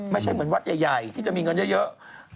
ไม่ใช่เหมือนวัดใหญ่ที่จะมีเงินเยอะ